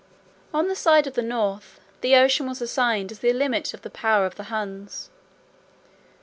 30 On the side of the North, the ocean was assigned as the limit of the power of the Huns.